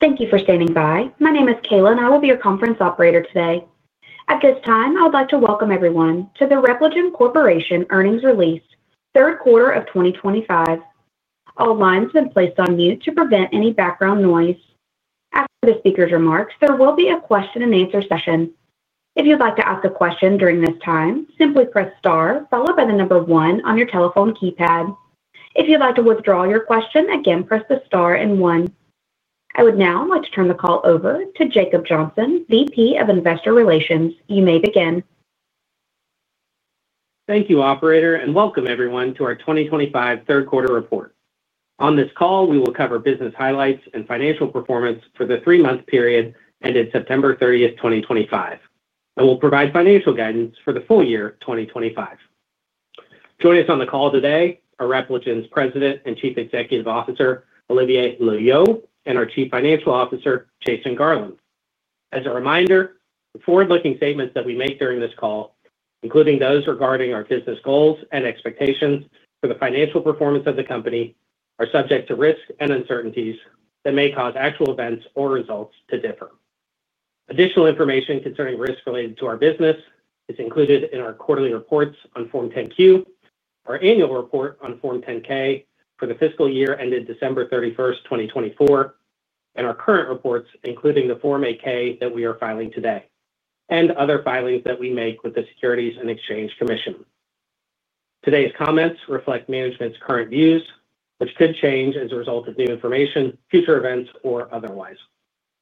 Thank you for standing by. My name is Kayla and I will be your conference operator today. At this time, I would like to welcome everyone to the Repligen Corporation earnings release third quarter of 2025. All lines have been placed on mute to prevent any background noise. After the speaker's remarks, there will be a question and answer session. If you'd like to ask a question during this time, simply press star followed by the number one on your telephone keypad. If you'd like to withdraw your question, again, press the star and one. I would now like to turn the call over to Jacob Johnson, VP of Investor Relations. You may begin. Thank you, Operator, and welcome everyone to our 2025 third quarter report. On this call, we will cover business highlights and financial performance for the three-month period ended September 30, 2025, and we'll provide financial guidance for the full year 2025. Joining us on the call today are Repligen's President and Chief Executive Officer Olivier Loeillot and our Chief Financial Officer Jason Garland. As a reminder, forward-looking statements that we make during this call, including those regarding our business goals and expectations for the financial performance of the company, are subject to risks and uncertainties that may cause actual events or results to differ. Additional information concerning risks related to our business is included in our quarterly reports on Form 10-Q, our annual report on Form 10-K for the fiscal year ended December 31, 2024, and our current reports, including the Form 8-K that we are filing today, and other filings that we make with the Securities and Exchange Commission. Today's comments reflect management's current views, which could change as a result of new information, future events, or otherwise.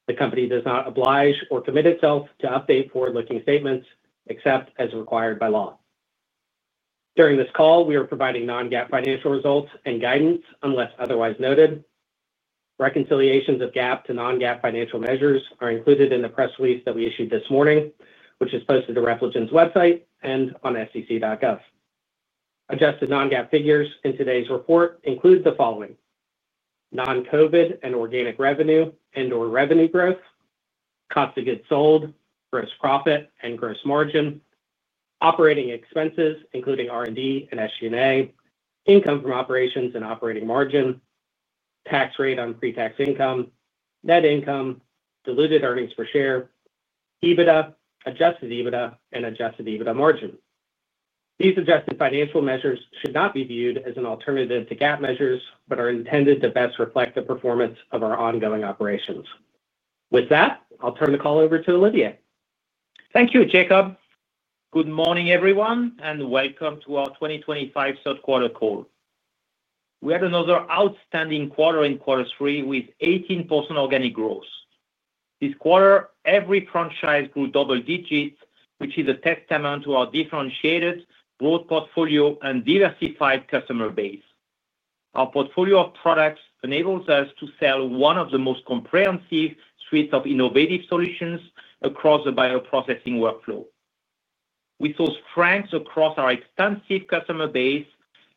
The company does not oblige or commit itself to update forward-looking statements except as required by law. During this call, we are providing non-GAAP financial results and guidance unless otherwise noted. Reconciliations of GAAP to non-GAAP financial measures are included in the press release that we issued this morning, which is posted to Repligen's website and on sec.gov. Adjusted non-GAAP figures in today's report include the non-COVID and organic revenue and/or revenue growth, cost of goods sold, gross profit and gross margin, operating expenses including R&D and SG&A, income from operations and operating margin, tax rate on pre-tax income, net income, diluted earnings per share, EBITDA, adjusted EBITDA, and adjusted EBITDA margin. These adjusted financial measures should not be viewed as an alternative to GAAP measures, but are intended to best reflect the performance of our ongoing operations. With that, I'll turn the call over to Olivier. Thank you, Jacob. Good morning, everyone, and welcome to our 2025 third quarter call. We had another outstanding quarter in quarter three with 18% organic growth. This quarter, every franchise grew double digits, which is a testament to our differentiated growth portfolio and diversified customer base. Our portfolio of products enables us to sell one of the most comprehensive suites of innovative solutions across the bioprocessing workflow. We saw strength across our extensive customer base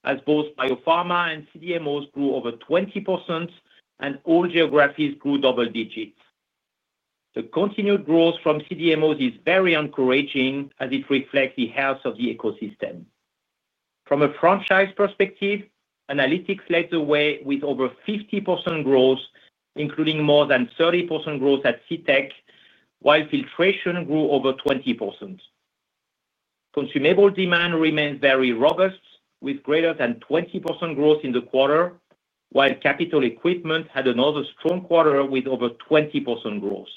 as both pharma and CDMOs grew over 20%, and all geographies grew double digits. The continued growth from CDMOs is very encouraging as it reflects the health of the ecosystem from a franchise perspective. Process Analytics led the way with over 50% growth, including more than 30% growth at CTech, while Filtration grew over 20%. Consumable demand remained very robust with greater than 20% growth in the quarter, while Capital Equipment had another strong quarter with over 20% growth.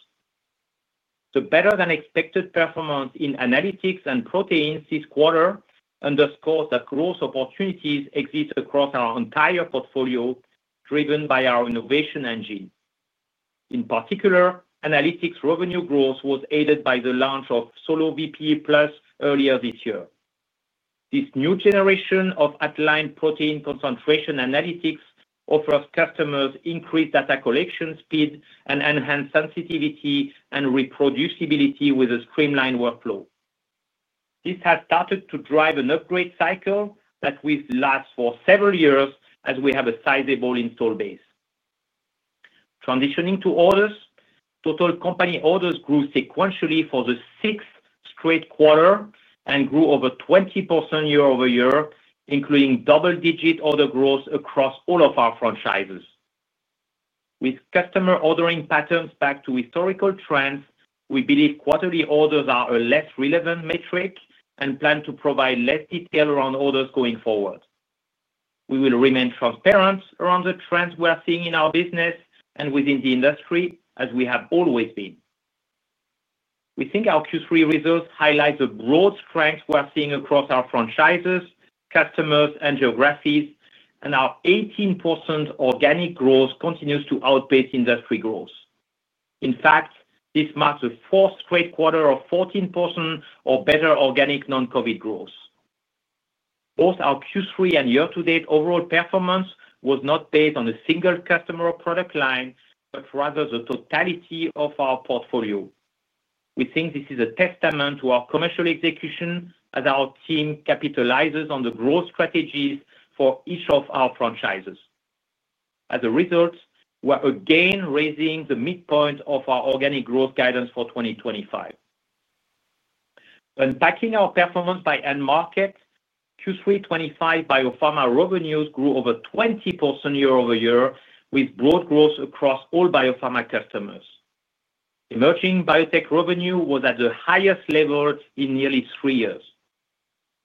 The better than expected performance in Process Analytics and Proteins this quarter underscores that growth opportunities exist across our entire portfolio driven by our innovation engine. In particular, Analytics revenue growth was aided by the launch of SoloVPE PLUS earlier this year. This new generation of atline protein concentration analytics offers customers increased data collection speed and enhanced sensitivity and reproducibility with a streamlined workflow. This has started to drive an upgrade cycle that will last for several years as we have a sizable install base. Transitioning to orders, total company orders grew sequentially for the sixth straight quarter and grew over 20% year-over-year, including double digit order growth across all of our franchises. With customer ordering patterns back to historical trends, we believe quarterly orders are a less relevant metric and plan to provide less detail around orders going forward. We will remain transparent around the trends we are seeing in our business and within the industry as we have always been. We think our Q3 results highlight the broad strength we are seeing across our franchises, customers, and geographies, and our 18% organic growth continues to outpace industry growth. In fact, this marks the fourth great quarter of 14% or better organic non-COVID growth. Both our Q3 and year to date overall performance was not based on a single customer product line but rather the totality of our portfolio. We think this is a testament to our commercial execution as our team capitalizes on the growth strategies for each of our franchises. As a result, we're again raising the midpoint of our organic growth guidance for 2025, unpacking our performance by end market. Q3 2025 biopharma revenues grew over 20% year-over-year with broad growth across all biopharma customers. Emerging biotech revenue was at the highest level in nearly three years.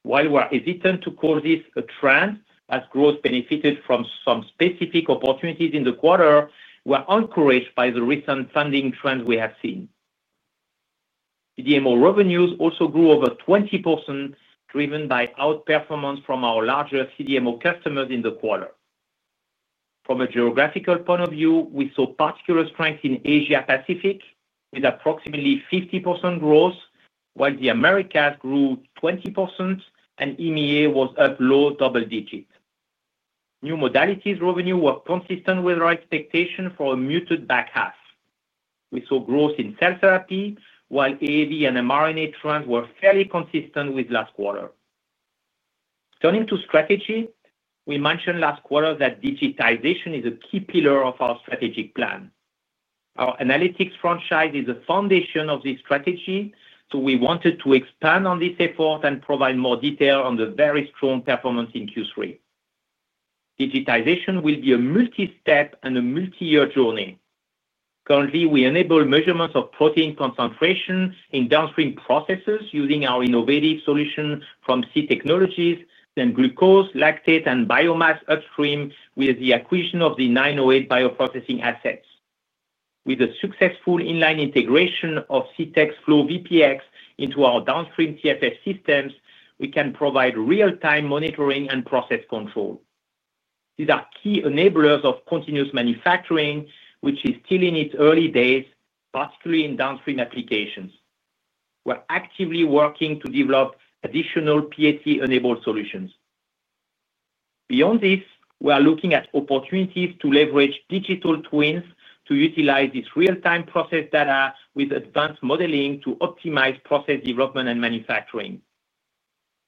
While we're hesitant to call this a trend as growth benefited from some specific opportunities in the quarter, we are encouraged by the recent funding trends we have seen. CDMO revenues also grew over 20% driven by outperformance from our larger CDMO customers in the quarter. From a geographical point of view, we saw particular strength in Asia Pacific with approximately 50% growth, while the Americas grew 20% and EMEA was up low double digit. New modalities revenue were consistent with our expectations for a muted back half. We saw growth in cell therapy while AAV and mRNA trends were fairly consistent with last quarter. Turning to strategy, we mentioned last quarter that digitization is a key pillar of our strategic plan. Our analytics franchise is the foundation of this strategy, so we wanted to expand on this effort and provide more detail on the very strong performance in Q3. Digitization will be a multi-step and a multi-year journey. Currently, we enable measurements of protein concentration in downstream processes using our innovative solution from C Technologies, then glucose, lactate, and biomass upstream with the acquisition of the 908 Devices bioprocessing assets. With a successful inline integration of CTEX Flow VPX into our downstream TSS systems, we can provide real-time monitoring and process control. These are key enablers of continuous manufacturing, which is still in its early days, particularly in downstream applications. We're actively working to develop additional PAT-enabled solutions. Beyond this, we are looking at opportunities to leverage digital twins to utilize this real-time process data with advanced modeling to optimize process development and manufacturing.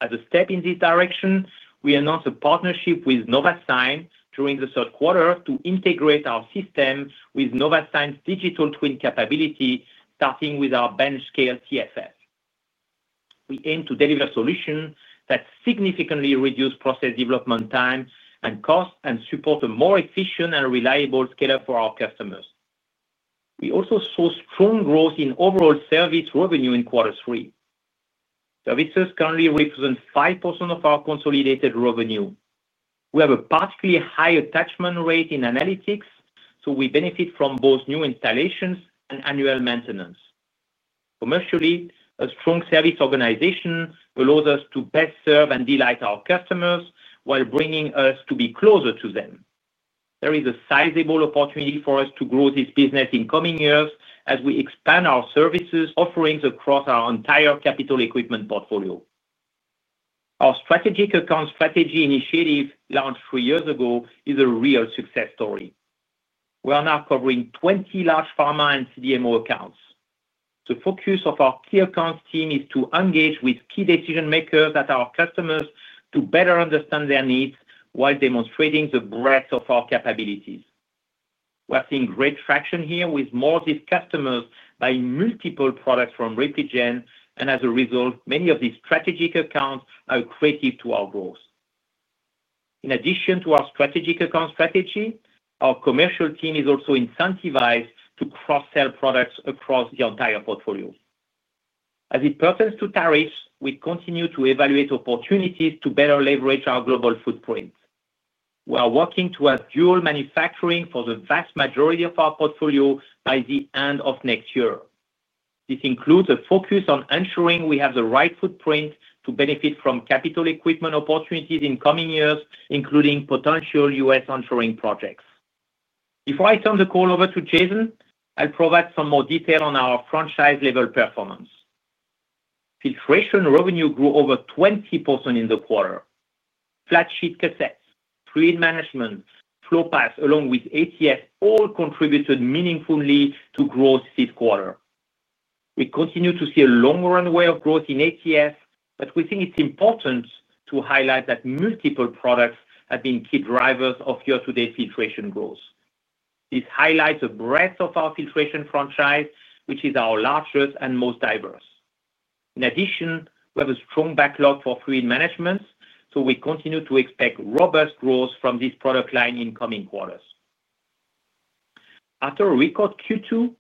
As a step in this direction, we announced a partnership with Novasign during the third quarter to integrate our system with Novasign's digital twin capability. starting with our bench scale CSS, we aim to deliver solutions that significantly reduce process development time and cost and support a more efficient and reliable scale-up for our customers. We also saw strong growth in overall service revenue in quarter three. Services currently represent 5% of our consolidated revenue. We have a particularly high attachment rate in analytics, so we benefit from both new installations and annual maintenance. Commercially, a strong service organization allows us to best serve and delight our customers while bringing us to be closer to them. There is a sizable opportunity for us to grow this business in coming years as we expand our services offerings across our entire capital equipment portfolio. Our Strategic Account Strategy initiative, launched three years ago, is a real success story. We are now covering 20 large pharma and CDMO accounts. The focus of our Key Accounts team is to engage with key decision makers at our customers to better understand their needs while demonstrating the breadth of our capabilities. We are seeing great traction here with more of these customers buying multiple products from Repligen and as a result many of these strategic accounts are accretive to our growth. In addition to our Strategic Account Strategy, our commercial team is also incentivized to cross sell products across the entire portfolio. As it pertains to tariffs, we continue to evaluate opportunities to better leverage our global footprint. We are working towards dual manufacturing for the vast majority of our portfolio by the end of next year. This includes a focus on ensuring we have the right footprint to benefit from capital equipment opportunities in coming years, including potential U.S. onshoring projects. Before I turn the call over to Jason, I'll provide some more detail on our franchise level performance. Filtration revenue grew over 20% in the quarter. Flat Sheet Cassettes, Fluid Management, Flow Path along with ATF all contributed meaningfully to growth this quarter. We continue to see a long runway of growth in ATF, but we think it's important to highlight that multiple products have been key drivers of year to date filtration growth. This highlights the breadth of our filtration franchise, which is our largest and most diverse. In addition, we have a strong backlog for Fluid Management, so we continue to expect robust growth from this product line in coming quarters. After a record Q2,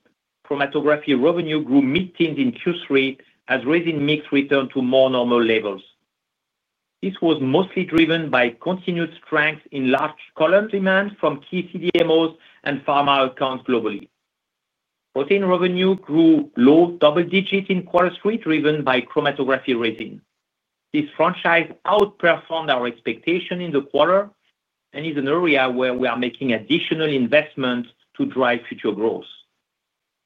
chromatography revenue grew mid teens in Q3 as resin mix returned to more normal levels. This was mostly driven by continued strength in large column demand from key CDMO and pharma accounts globally. Protein revenue grew low double digit in the quarter, driven by chromatography resin. This franchise outperformed our expectation in the quarter and is an area where we are making additional investments to drive future growth.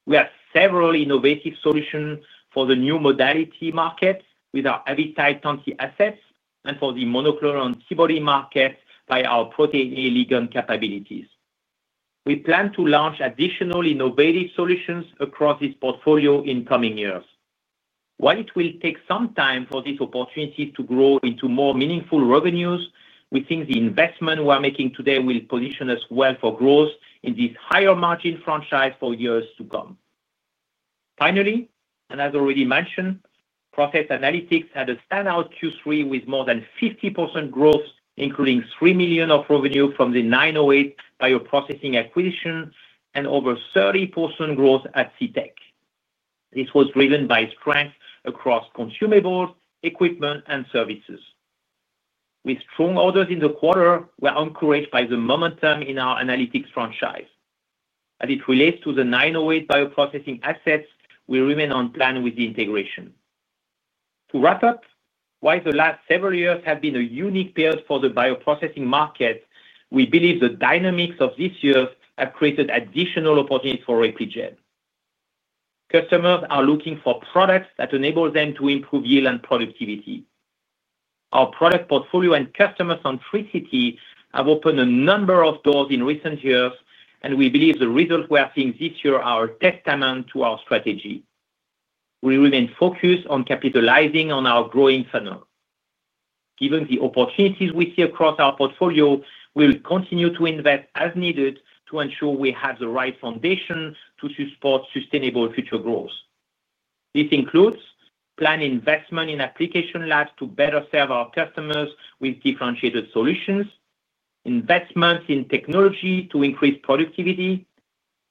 We have several innovative solutions for the new modality market with our Habitat Anti assets and for the monoclonal T body market by our Protein A ligand capabilities. We plan to launch additional innovative solutions across this portfolio in coming years. While it will take some time for these opportunities to grow into more meaningful revenues, we think the investment we are making today will position us well for growth in this higher margin franchise for years to come. Finally, and as already mentioned, process analytics had a standout Q3 with more than 50% growth, including $3 million of revenue from the 908 Devices bioprocessing acquisition and over 30% growth at CTech. This was driven by strength across consumables, equipment, and services with strong orders in the quarter. We are encouraged by the momentum in our analytics franchise. As it relates to the 908 Devices bioprocessing assets, we remain on plan with the integration to wrap up. While the last several years have been a unique period for the bioprocessing market, we believe the dynamics of this year have created additional opportunities for Repligen. Customers are looking for products that enable them to improve yield and productivity. Our product portfolio and customers on CTech have opened a number of doors in recent years, and we believe the results we are seeing this year are a testament to our strategy. We remain focused on capitalizing on our growing funnel. Given the opportunities we see across our portfolio, we will continue to invest as needed to ensure we have the right foundation to support sustainable future growth. This includes planned investment in application labs to better serve our customers with differentiated solutions, investments in technology to increase productivity,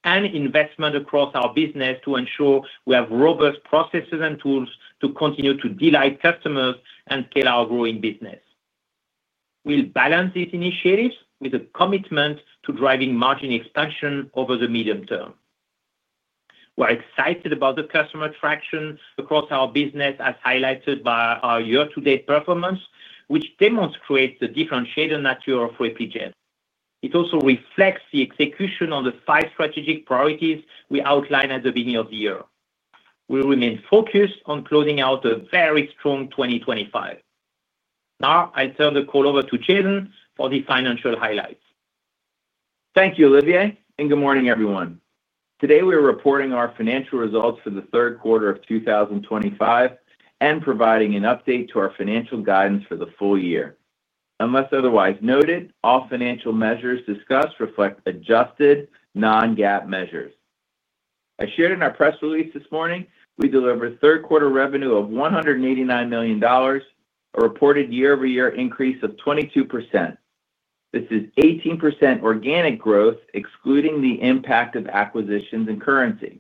and investment across our business to ensure we have robust processes and tools to continue to delight customers and scale our growing business. We'll balance these initiatives with a commitment to driving margin expansion over the medium term. We're excited about the customer traction across our business as highlighted by our year-to-date performance, which demonstrates the differentiated nature of Repligen. It also reflects the execution of the five strategic priorities we outlined at the beginning of the year. We remain focused on closing out a very strong 2025. Now I turn the call over to Jacob for the financial highlights. Thank you Olivier and good morning everyone. Today we are reporting our financial results for the third quarter of 2025 and providing an update to our financial guidance for the full year. Unless otherwise noted, all financial measures discussed reflect adjusted non-GAAP measures I shared in our press release this morning. We delivered third quarter revenue of $189 million, a reported year-over-year increase of 22%. This is 18% organic growth excluding the impact of acquisitions and currency.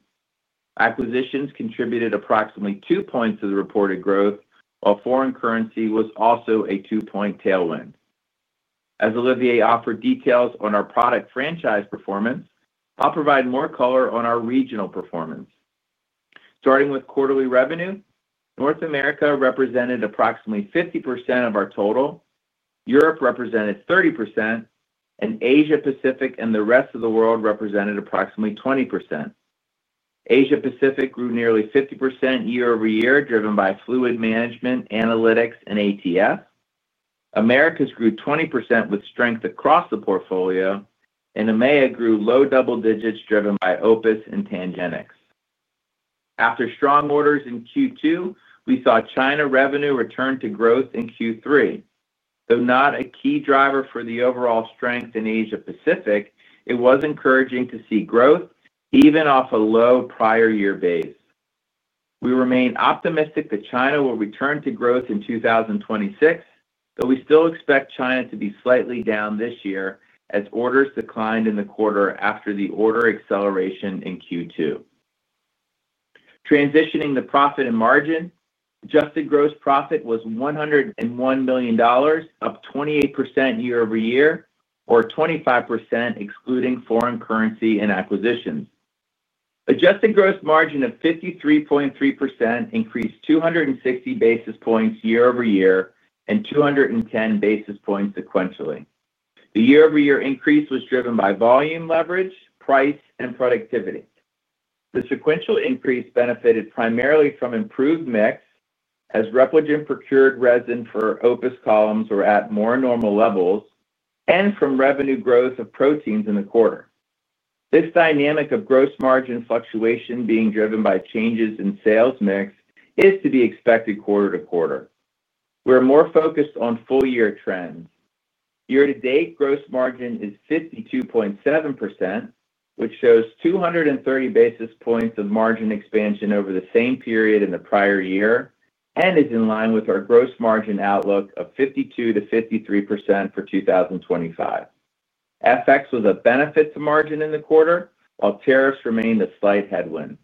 Acquisitions contributed approximately two points of the reported growth, while foreign currency was also a two-point tailwind. As Olivier offered details on our product franchise performance, I'll provide more color on our regional performance starting with quarterly revenue. North America represented approximately 50% of our total, Europe represented 30%, and Asia Pacific and the rest of the world represented approximately 20%. Asia Pacific grew nearly 50% year-over-year driven by Filtration and Fluid Management, analytics, and ATF. Americas grew 20% with strength across the portfolio, and EMEA grew low double digits driven by Opus and Tangenix. After strong orders in Q2, we saw China revenue return to growth in Q3. Though not a key driver for the overall strength in Asia Pacific, it was encouraging to see growth even off a low prior year base. We remain optimistic that China will return to growth in 2026, but we still expect China to be slightly down this year as orders declined in the quarter. After the order acceleration in Q2, transitioning, the profit and margin adjusted gross profit was $101 million, up 28% year-over-year or 25% excluding foreign currency and acquisitions. Adjusted gross margin of 53.3% increased 260 basis points year-over-year and 210 basis points sequentially. The year-over-year increase was driven by volume, leverage, price, and productivity. The sequential increase benefited primarily from improved mix as Repligen procured resin for Opus columns were at more normal levels and from revenue growth of Proteins in the quarter. This dynamic of gross margin fluctuation being driven by changes in sales mix is to be expected quarter to quarter. We are more focused on full year trends. Year to date, gross margin is 52.7% which shows 230 basis points of margin expansion over the same period in the prior year and is in line with our gross margin outlook of 52%-53% for 2025. FX was a benefit to margin in the quarter while tariffs remained a slight headwind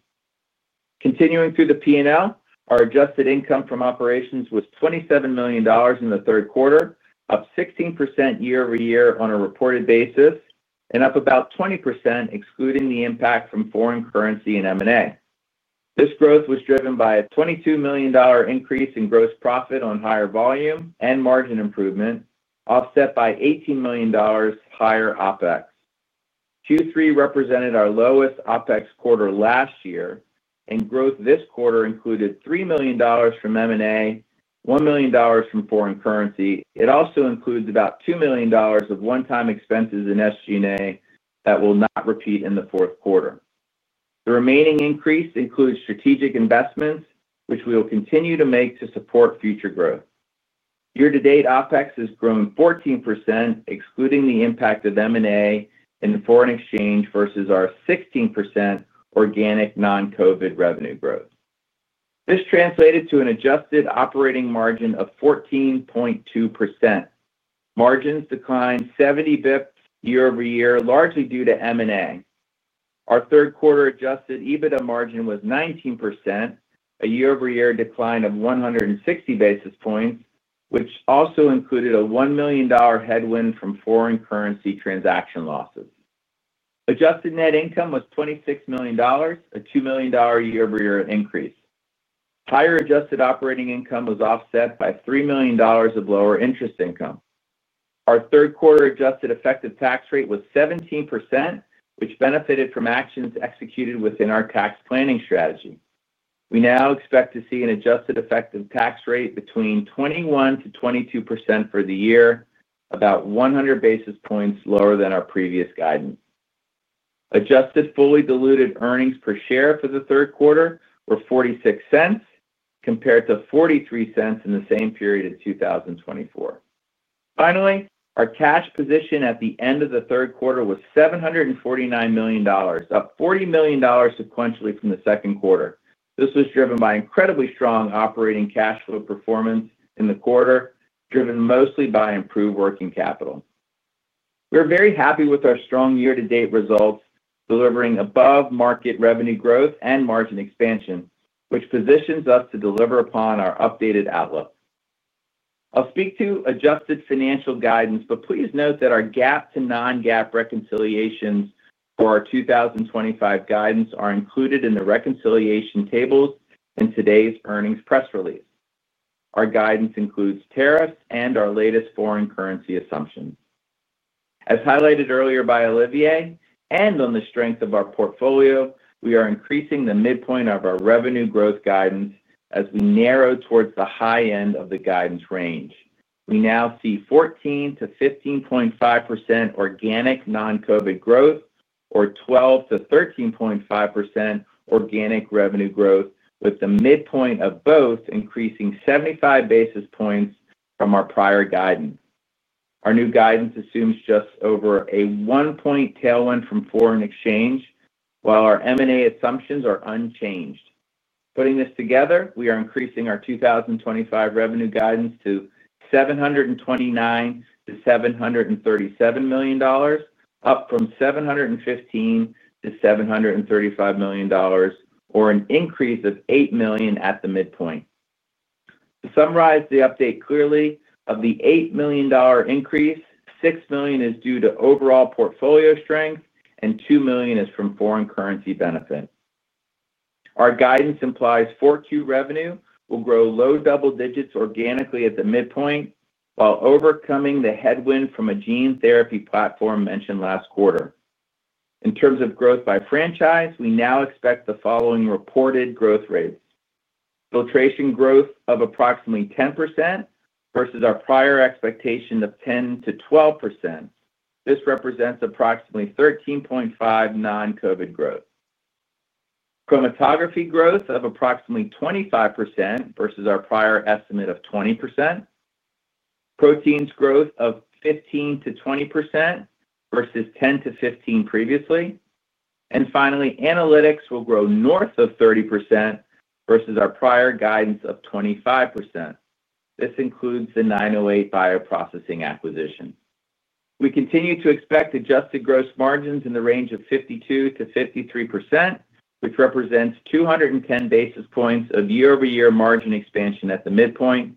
continuing through the P&L. Our adjusted income from operations was $27 million in the third quarter, up 16% year-over-year on a reported basis and up about 20% excluding the impact from foreign currency and M&A. This growth was driven by a $22 million increase in gross profit on higher volume and margin improvement, offset by $18 million higher OpEx. Q3 represented our lowest OpEx quarter last year, and growth this quarter included $3 million from M&A and $1 million from foreign currency. It also includes about $2 million of one-time expenses in SG&A that will not repeat in the fourth quarter. The remaining increase includes strategic investments which we will continue to make to support future growth. Year to date, OpEx has grown 14% excluding the impact of M&A and foreign exchange versus our 16% organic non-COVID revenue growth. This translated to an adjusted operating margin of 14.2%. Margins declined 70 basis points year-over-year largely due to M&A. Our third quarter adjusted EBITDA margin was 19%, a year-over-year decline of 160 basis points, which also included a $1 million headwind from foreign currency transaction losses. Adjusted net income was $26 million, a $2 million year-over-year increase. Higher adjusted operating income was offset by $3 million of lower interest income. Our third quarter adjusted effective tax rate was 17%, which benefited from actions executed within our tax planning strategy. We now expect to see an adjusted effective tax rate between 21%-22% for the year, about 100 basis points lower than our previous guidance. Adjusted fully diluted earnings per share for the third quarter were $0.46 compared to $0.43 in the same period of 2024. Finally, our cash position at the end of the third quarter was $749 million, up $40 million sequentially from the second quarter. This was driven by incredibly strong operating cash flow performance in the quarter, driven mostly by improved working capital. We are very happy with our strong year to date results delivering above market revenue growth and margin expansion, which positions us to deliver upon our updated outlook. I'll speak to adjusted financial guidance, but please note that our GAAP to non-GAAP reconciliations for our 2025 guidance are included in the reconciliation tables in today's earnings press release. Our guidance includes tariffs and our latest foreign currency assumptions as highlighted earlier by Olivier and on the strength of our portfolio, we are increasing the midpoint of our revenue growth guidance. As we narrow towards the high end of the guidance range, we now see 14%-15.5% organic non-COVID growth or 12%-13.5% organization organic revenue growth with the midpoint of both increasing 75 basis points from our prior guidance. Our new guidance assumes just over a one point tailwind from foreign exchange while our M&A assumptions are unchanged. Putting this together, we are increasing our 2025 revenue guidance to $729 million-$737 million, up from $715 million-$735 million or an increase of $8 million at the midpoint. To summarize the update clearly, of the $8 million increase, $6 million is due to overall portfolio strength and $2 million is from foreign currency benefits. Our guidance implies fourth quarter revenue will grow low double digits organically at the midpoint while overcoming the headwind from a gene therapy platform mentioned last quarter. In terms of growth by franchise, we now expect the following reported growth rates: filtration growth of approximately 10% versus our prior expectation of 10%-12%. This represents approximately 13.5% non-COVID growth. Chromatography growth of approximately 25% versus our prior estimate of 20%. Proteins growth of 15%-20% versus 10%-15% previously, and finally, analytics will grow north of 30% versus our prior guidance of 25%. This includes the 908 Devices BioProcessing acquisition. We continue to expect adjusted gross margins in the range of 52%-53%, which represents 210 basis points of year-over-year margin expansion at the midpoint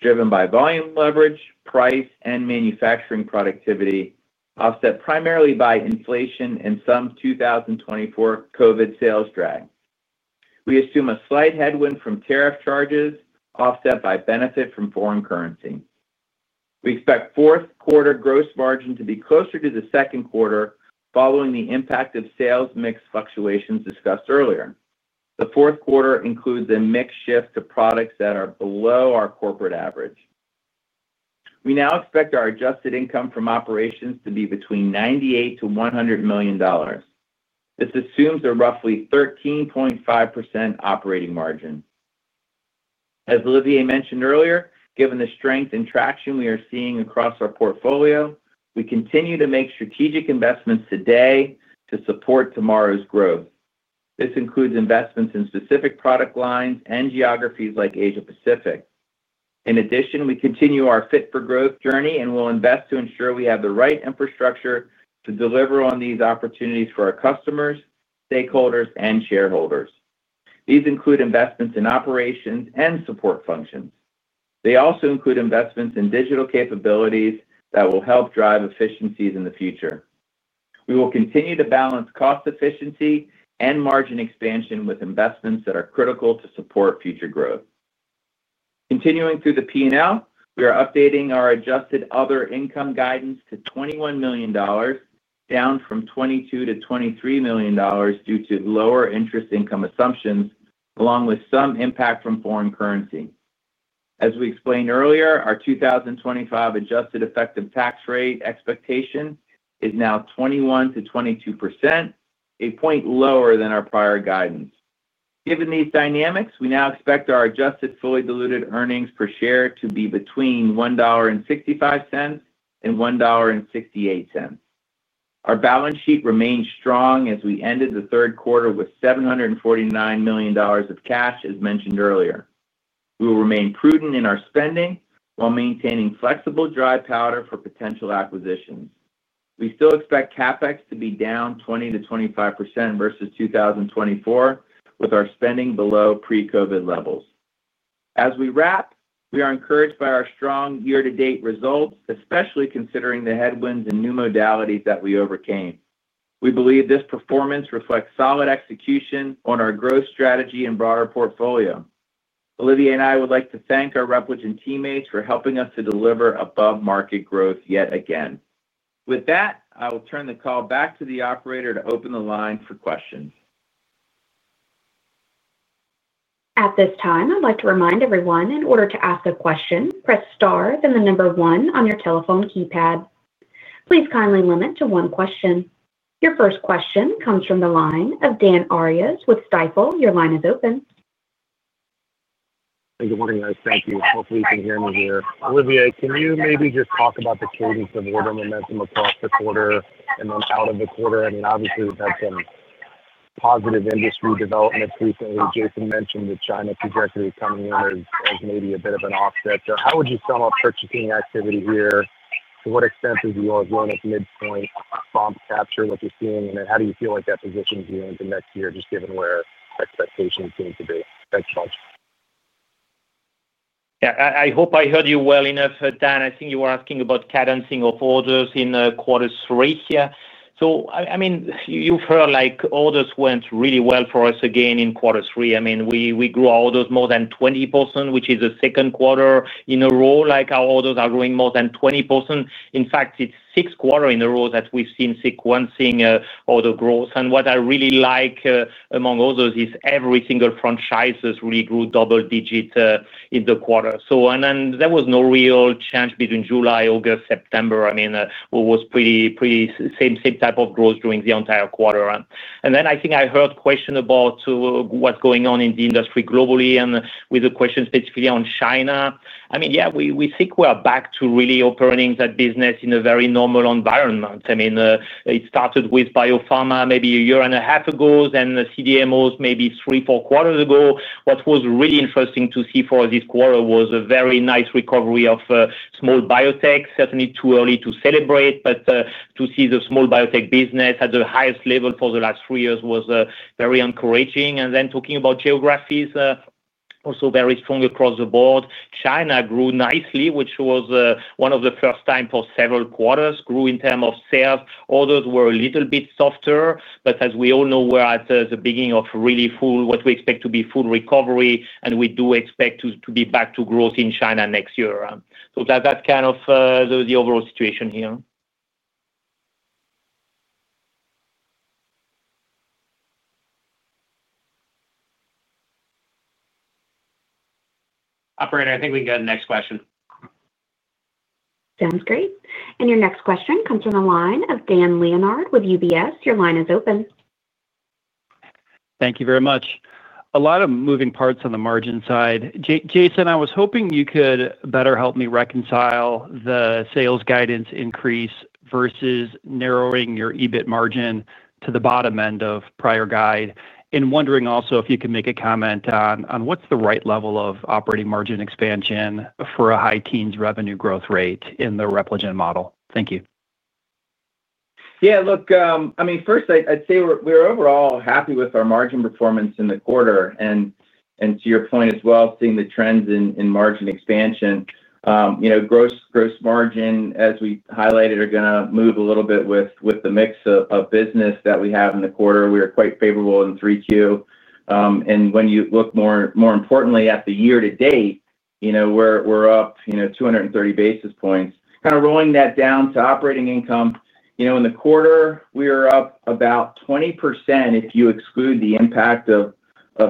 driven by volume leverage, price, and manufacturing productivity offset primarily by inflation and some 2024 COVID sales drag. We assume a slight headwind from tariff charges offset by benefit from foreign currency. We expect fourth quarter gross margin to be closer to the second quarter following the impact of sales mix fluctuations discussed earlier. The fourth quarter includes a mix shift to products that are below our corporate average. We now expect our adjusted income from operations to be between $98 million-$100 million. This assumes a roughly 13.5% operating margin. As Olivier mentioned earlier, given the strength and traction we are seeing across our portfolio, we continue to make strategic investments today to support tomorrow's growth. This includes investments in specific product lines and geographies like Asia Pacific. In addition, we continue our fit for growth journey and will invest to ensure we have the right infrastructure to deliver on these opportunities for our customers, stakeholders, and shareholders. These include investments in operations and support functions. They also include investments in digital capabilities that will help drive efficiencies in the future. We will continue to balance cost efficiency and margin expansion with investments that are critical to support future growth. Continuing through the P&L, we are updating our adjusted other income guidance to $21 million, down from $22 million-$23 million due to lower interest income assumptions along with some impact from foreign currency. As we explained earlier, our 2025 adjusted effective tax rate expectation is now 21%-22%, a point lower than our prior guidance. Given these dynamics, we now expect our adjusted fully diluted earnings per share to be between $1.65 and $1.68. Our balance sheet remains strong as we ended the third quarter with $749 million of cash. As mentioned earlier, we will remain prudent in our spending while maintaining flexible dry powder for potential acquisitions. We still expect CapEx to be down 20%-25% versus 2024 with our spending below pre-COVID levels. As we wrap, we are encouraged by our strong year-to-date results, especially considering the headwinds and new modalities that we overcame. We believe this performance reflects solid execution on our growth strategy and broader portfolio. Olivier and I would like to thank our Repligen teammates for helping us to deliver above market growth yet again. With that, I will turn the call back to the operator to open the line for questions. At this time I'd like to remind everyone in order to ask a question, press star, then the number one on your telephone keypad. Please kindly limit to one question. Your first question comes from the line of Dan Arias with Stifel. Your line is open. Good morning, guys. Thank you. Hopefully you can hear me here. Olivier, can you maybe just talk about the cadence of order momentum across the quarter and then out of the quarter? I mean obviously we've had some positive industry developments recently. Jason mentioned that China projection is coming in as maybe a bit of an offset. How would you sum up purchasing activity here? To what extent does the all grown at midpoint bump capture what you're seeing. How do you feel like that positions you into next year just given where expectations. Thanks. Yeah, I hope I heard you well enough, Dan. I think you were asking about cadencing of orders in quarter three here. You've heard orders went really well for us again in quarter three. We grew our orders more than 20%, which is the second quarter in a row our orders are growing more than 20%. In fact, it's six quarters in a row that we've seen sequencing order growth. What I really like, among others, is every single franchise really grew double digit in the quarter. There was no real change between July, August, September. It was pretty much the same type of growth during the entire quarter. I think I heard a question about what's going on in the industry globally and with the questions basically on China. We think we are back to really operating that business in a very normal environment. It started with Biopharma maybe a year and a half ago, then the CDMOs maybe three, four quarters. What was really interesting to see for this quarter was a very nice recovery of small biotech. Certainly too early to celebrate, but to see the small biotech business at the highest level for the last three years was very encouraging. Talking about geographies, also very strong across the board. China grew nicely, which was one of the first times for several quarters it grew in terms of sales. Orders were a little bit softer, but as we all know, we're at the beginning of what we expect to be full recovery, and we do expect to be back to growth in China next year. That's kind of the overall situation here. Operator, I think we can go to the next question. Sounds great. Your next question comes from the line of Dan Leonard with UBS. Your line is open. Thank you very much. A lot of moving parts on the margin side. Jason, I was hoping you could better help me reconcile the sales guidance increase versus narrowing your EBIT margin to the bottom end of prior guide. I am wondering also if you can make a comment on what's the right level of operating margin expansion for a high teens revenue growth rate in the Repligen model. Thank you. Yeah, look, I mean first I'd say we're overall happy with our margin performance in the quarter. To your point as well, seeing the trends in margin expansion, gross margin as we highlighted is going to move a little bit with the mix of business that we have in the quarter. We are quite favorable in 3Q and when you look more importantly at the year to date, we're up 230 basis points. Kind of rolling that down to operating income, in the quarter we were up about 20%. If you exclude the impact of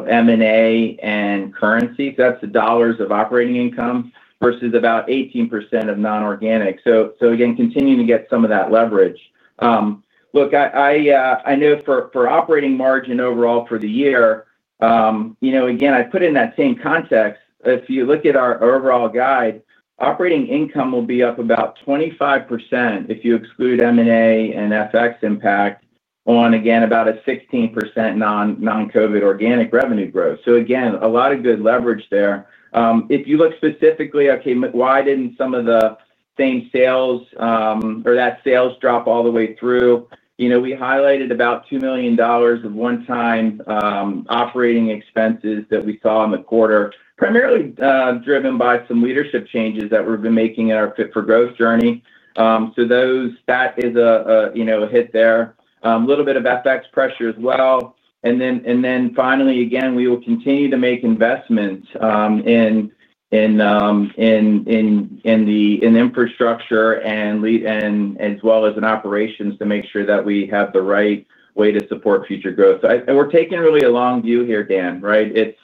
M&A and currency, that's the dollars of operating income versus about 18% of non-organic. Again, continuing to get some of that leverage. I know for operating margin overall for the year, I put in that same context. If you look at our overall guide, operating income will be up about 25% if you exclude M&A and FX impact on again about a 16% non-COVID organic revenue growth. A lot of good leverage there. If you look specifically, why didn't some of the same sales or that sales drop all the way through? We highlighted about $2 million of one-time operating expenses that we saw in the quarter, primarily driven by some leadership changes that we've been making in our fit for growth journey. That is a hit there, a little bit of FX pressure as well. Finally, we will continue to make investments in infrastructure and lead, as well as in operations, to make sure that we have the right way to support future growth. We're taking really a long view here, Dan. At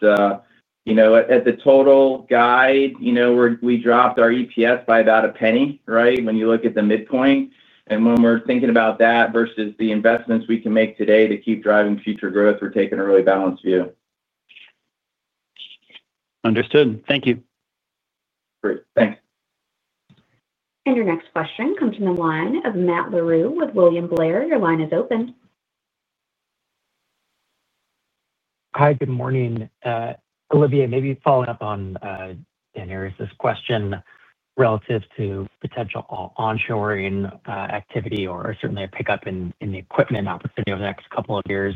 the total guide, we dropped our EPS by about a penny. When you look at the midpoint and when we're thinking about that versus the investments we can make today to keep driving future growth, we're taking a really balanced view. Understood, thank you. Great, thanks. Your next question comes from the line of Matt Larew with William Blair. Your line is open. Hi, good morning Olivier. Maybe following up on Dan, here's this question relative to potential onshoring activity or certainly a pickup in the equipment opportunity over the next couple of years.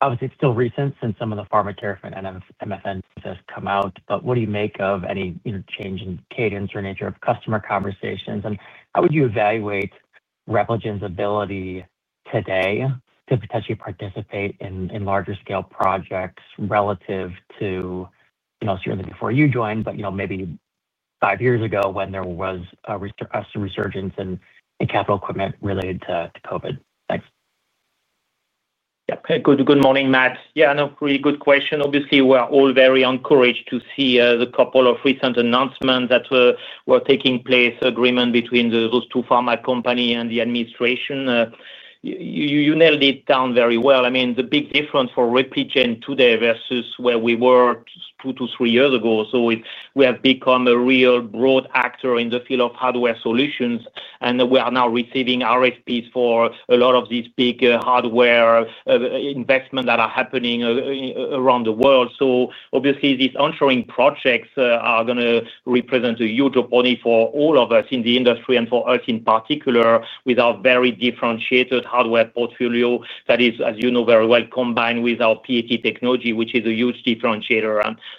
Obviously it's still recent since some of the pharma tariff and MFN has come out. What do you make of any change in cadence or nature of customer conversations? How would you evaluate Repligen's ability today to potentially participate in larger scale projects relative to, you know, certainly before you joined but, you know, maybe five years ago when there was a resurgence in capital equipment related to COVID. Thanks. Good morning Matt. Yeah, no, really good question. Obviously we're all very encouraged to see the couple of recent announcements that were taking place, agreement between those two pharma company and the administration. You nailed it down very well. I mean the big difference for Repligen today versus where we were two to three years ago is we have become a real broad actor in the field of hardware solutions and we are now receiving RFPs for a lot of these big hardware investment that are happening around the world. Obviously these onshoring projects are going to represent a huge opportunity for all of us in the industry and for us in particular with our very differentiated hardware portfolio that is, as you know, very well combined with our technology which is a huge differentiator.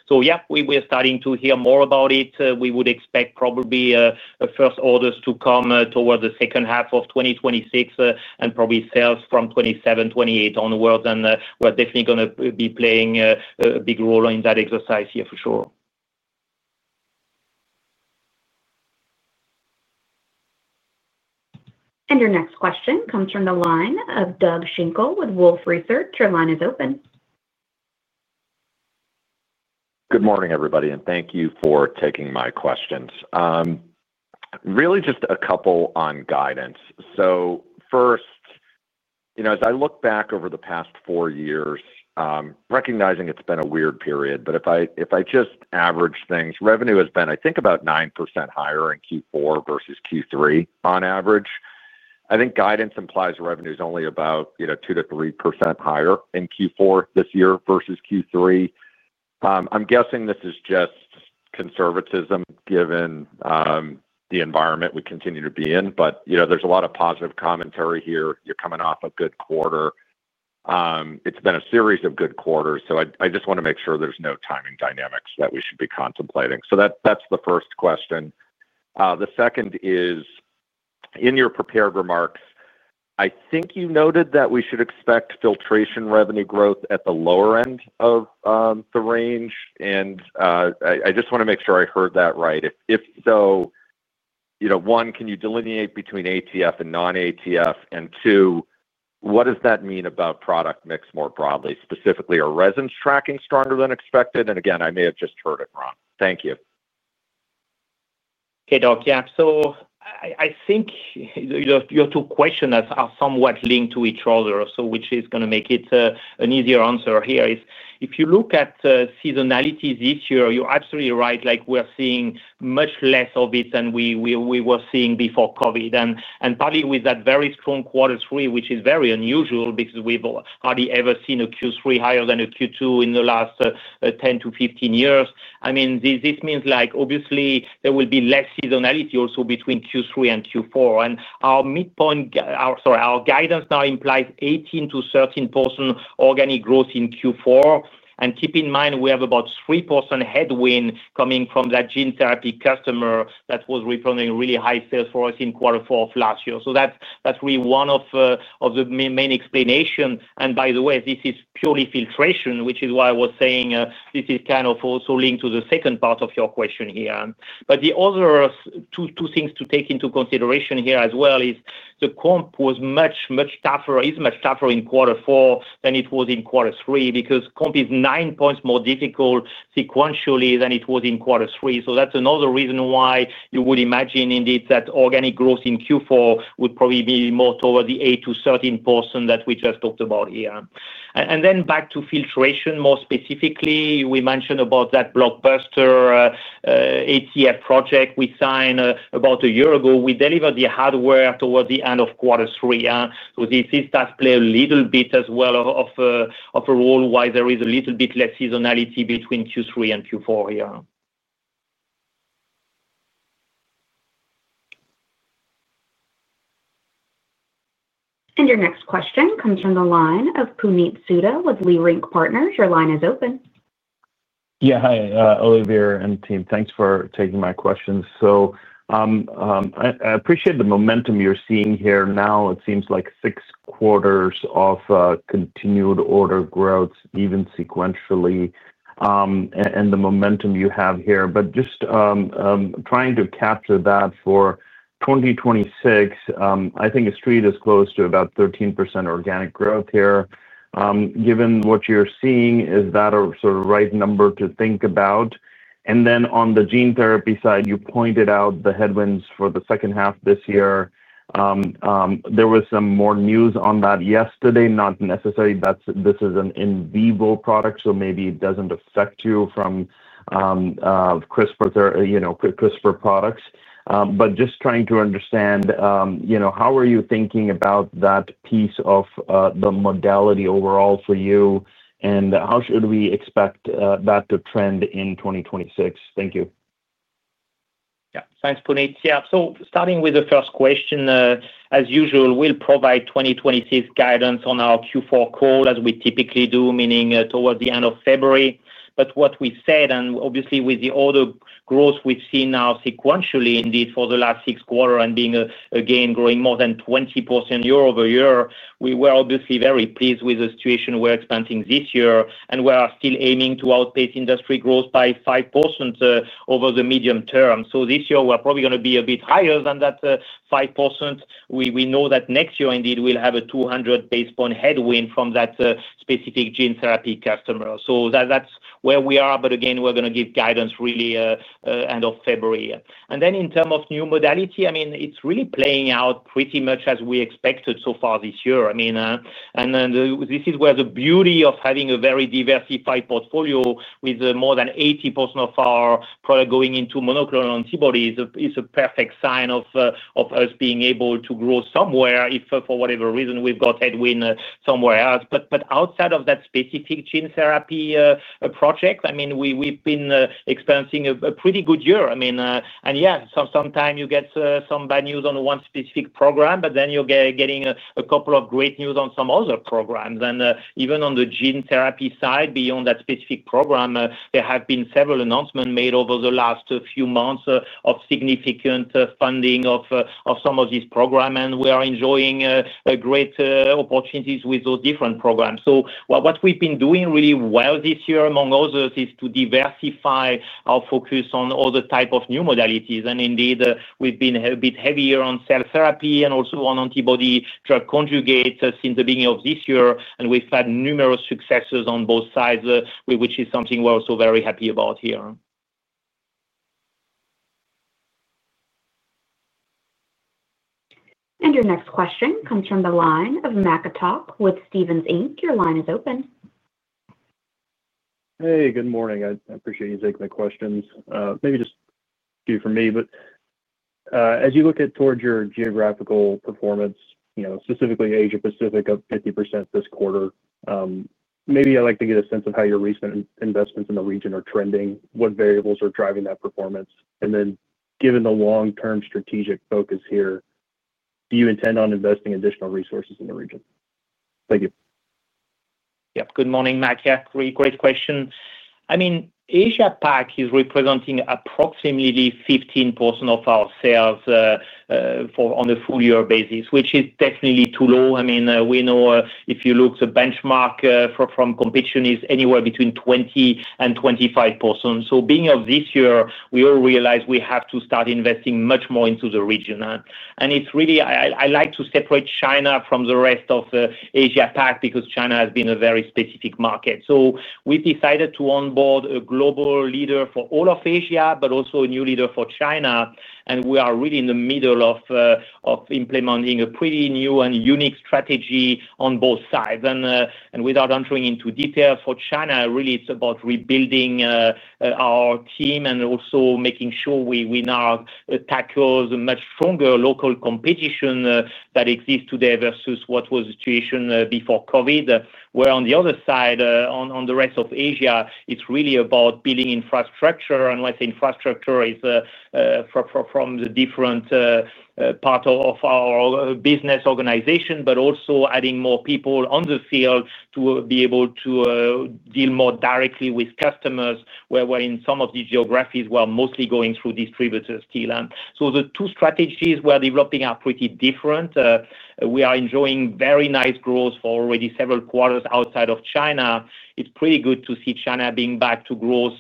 Yeah, we're starting to hear more about it. We would expect probably first orders to come toward the second half of 2026 and probably sales from 2027-2028 onwards. We're definitely going to be playing a big role in that exercise here for sure. Your next question comes from the line of Doug Schenkel with Wolfe Research. Your line is open. Good morning everybody and thank you for taking my questions. Really just a couple on guidance. First, as I look back over the past four years, recognizing it's been a weird period, if I just average things, revenue has been I think about 9% higher in Q4 versus Q3 on average. I think guidance implies revenue is only about 2%-3% higher in Q4 this year versus Q3. I'm guessing this is just conservatism given the environment we continue to be in. There is a lot of positive commentary here. You're coming off a good quarter. It's been a series of good quarters. I just want to make sure there's no timing dynamics that we should be contemplating. That's the first question. The second is in your prepared remarks, I think you noted that we should expect filtration revenue growth at the lower end of the range. I just want to make sure I heard that right. If so, one, can you delineate between ATF and non-ATF? Two, what does that mean about product mix more broadly, specifically, are resins tracking stronger than expected? Again, I may have just heard it wrong. Thank you. Okay, yeah, so I think your two questions are somewhat linked to each other, which is going to make it an easier answer here. If you look at seasonality this year, you're absolutely right. We're seeing much less of it than we were seeing before COVID, and partly with that very strong quarter three, which is very unusual because we've hardly ever seen a Q3 higher than a Q2 in the last 10 to 15 years. This means, obviously, there will be less seasonality also between Q3 and Q4. Our guidance now implies 8%-13% organic growth in Q4. Keep in mind, we have about 3% headwind coming from that gene therapy customer that was representing really high sales for us in quarter four of last year. That's really one of the main explanations. By the way, this is purely filtration, which is why I was saying this is kind of also linked to the second part of your question here. The other two things to take into consideration here as well are the comp was much, much tougher, is much tougher in quarter four than it was in quarter three because comp is nine points more difficult sequentially than it was in quarter three. That's another reason you would imagine indeed that organic growth in Q4 would probably be more toward the 8%-13% that we just talked about here. Back to filtration, more specifically, we mentioned that blockbuster ATF project we signed about a year ago. We delivered the hardware towards end of quarter three. This does play a little bit as well of a role in why there is a little bit less seasonality between Q3 and Q4 here. Your next question comes from the line of Puneet Souda with Leerink Partners. Your line is open. Yeah. Hi Olivier and team. Thanks for taking my questions. I appreciate the momentum you're seeing here. It seems like six quarters of continued order growth even sequentially and the momentum you have here. Just trying to capture that for 2026, I think the street is close to about 13% organic growth here. Given what you're seeing, is that a sort of right number to think about? On the gene therapy side, you pointed out the headwinds for the second half this year. There was some more news on that yesterday. Not necessarily. This is an in vivo product, so maybe it doesn't affect you from CRISPR products. Just trying to understand, how are you thinking about that piece of the modality overall for you and how should we expect that to trend in 2026. Thank you. Yeah, thanks, Puneet. starting with the first question, as usual, we'll provide 2026 guidance on our Q4 call as we typically do, meaning towards the end of February. What we said, and obviously with the order growth we've seen now sequentially indeed for the last six quarters and being again growing more than 20% year-over-year, we were obviously very pleased with the situation. We're expanding this year and we are still aiming to outpace industry growth by 5% over the medium term. This year we're probably going to be a bit higher than that 5%. We know that next year indeed we'll have a 200 basis point headwind from that specific gene therapy customer. That's where we are. We're going to give guidance really end of February. In terms of new modality, it's really playing out pretty much as we expected so far this year. This is where the beauty of having a very diversified portfolio with more than 80% of our product going into monoclonal antibodies is a perfect sign of us being able to grow somewhere if for whatever reason we've got headwind somewhere else. Outside of that specific gene therapy project, we've been experiencing a pretty good year. Sometimes you get some bad news on one specific program, but then you're getting a couple of great news on some other programs. Even on the gene therapy side, beyond that specific program, there have been several announcements made over the last few months of significant funding of some of these programs and we are enjoying great opportunities with those different programs. What we've been doing really well this year, among others, is to diversify our focus on other types of new modalities. Indeed, we've been a bit heavier on cell therapy and also on antibody drug conjugate since the beginning of this year. We've had numerous successes on both sides, which is something we're also very happy about here. Your next question comes from the line of Mac Etoch, with Stephens Inc. Your line is open. Hey, good morning. I appreciate you taking the questions, maybe just a few for me. As you look at your geographical performance, specifically Asia Pacific, up 50% this quarter, I'd like to get a sense of how your recent investments in the region are trending. What variables are driving that performance, and given the long term strategic focus here, do you intend on investing additional resources in the region? Thank you. Yep. Good morning, Mac. Yeah, great question. I mean, Asia Pacific is representing approximately 15% of our sales on a full year basis, which is definitely too low. I mean, we know if you look, the benchmark from competition is anywhere between 20% and 25%. Beginning of this year, we already realized we have to start investing much more into the region. I like to separate China from the rest of Asia Pacific because China has been a very specific market. We decided to onboard a global leader for all of Asia, but also a new leader for China. We are really in the middle of implementing a pretty new and unique strategy on both sides. Without entering into detail for China, really it's about rebuilding our team and also making sure we now tackle the much stronger local competition that exists today versus what was the situation before COVID. On the other side, on the rest of Asia, it's really about building infrastructure. Let's say infrastructure is from the different part of our business organization, but also adding more people on the field to be able to deal more directly with customers in some of these geographies where we were mostly going through distributors. The two strategies we're developing are pretty different. We are enjoying very nice growth for already several quarters outside of China. It's pretty good to see China being back to growth